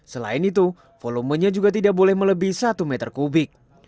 selain itu volumenya juga tidak boleh melebih satu meter kubik